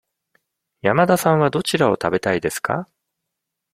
山田さんはどちらを食べたいですか。